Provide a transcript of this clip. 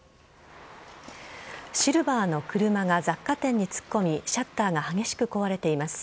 シルバーの車が雑貨店に突っ込みシャッターが激しく壊れています。